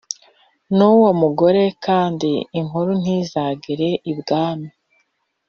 nuwomugore kandi inkuru ntizagere ibwami,